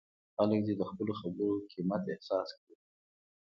خلک دې د خپلو خبرو قیمت احساس کړي.